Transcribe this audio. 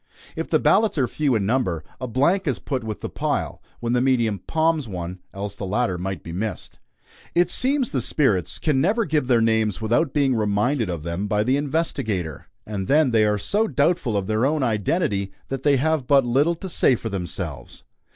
If the ballots are few in number, a blank is put with the pile, when the medium "palms" one, else the latter might be missed. It seems the spirits can never give their names without being reminded of them by the investigator, and then they are so doubtful of their own identity that they have but little to say for themselves.